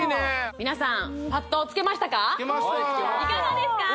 皆さんいかがですか？